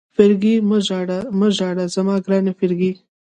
فرګي مه ژاړه، مه ژاړه زما ګرانې فرګي.